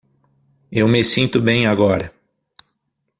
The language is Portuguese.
Eu me sinto bem agora.